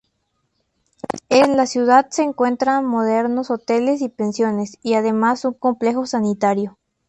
En la ciudad se encuentran modernos hoteles y pensiones y además un complejo sanitario.